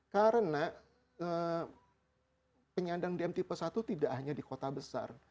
karena penyandang dm tipe satu tidak hanya di kota besar